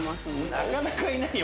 なかなかいないよ